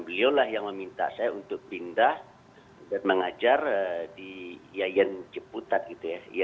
beliau lah yang meminta saya untuk pindah dan mengajar di yayan jeputat gitu ya